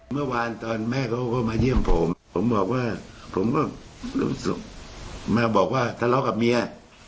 เมื่อวานตอนแม่เขาก็มาเยี่ยมผมผมบอกว่าผมก็รู้สึกมาบอกว่าทะเลาะกับเมีย